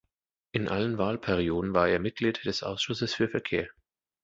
In allen Wahlperioden war er Mitglied des Ausschusses für Verkehr.